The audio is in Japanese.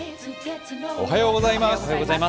おはようございます。